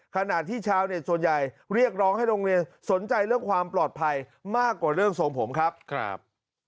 ขณะที่ชาวเน็ตส่วนใหญ่เรียกร้องให้โรงเรียนสนใจเรื่องความปลอดภัยมากกว่าเรื่องทรงผมครับครับ